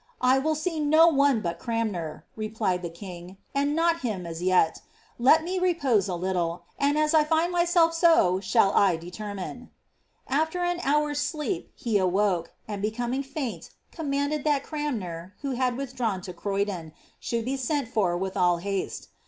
^ 1 will see no one but Cranmer," Bplied the king ;^ and not him as yet Let me repose a little, and as I nd myself so shall 1 determine." Ai\er an hour's sleep he awoke, ■d, booming faint, commanded that Cranmer, who liad withdrawn to Ikvydon, should be sent for with all haste.